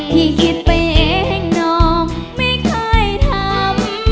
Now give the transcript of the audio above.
ที่คิดไปเองน้องไม่เคยทำ